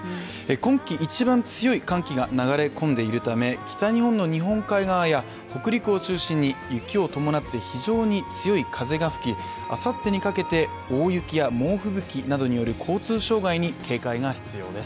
今季一番強い寒気が流れ込んでいるため北日本の日本海側や北陸を中心に雪を伴って非常に強い風が吹き、あさってにかけて大雪や猛吹雪などによる交通障害に警戒が必要です。